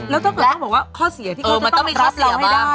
แล้วเจ้าก็ต้องบอกว่าข้อเสียที่เขาจะต้องรับเราให้ได้อะ